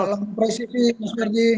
selamat malam presiden mas ferdi